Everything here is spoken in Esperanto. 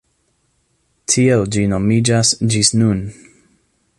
Tiel ĝi nomiĝas ĝis nun.